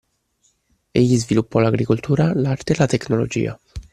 Egli sviluppò l'agricoltura, l'arte, la tecnologia.